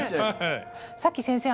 さっき先生